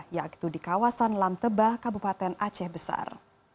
yaitu di kawasan lamtebah kabupaten aceh besar